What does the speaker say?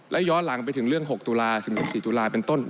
และย้อนหลังไปถึงเรื่อง๖ตุลา๑๑๔ตุลาเป็นต้น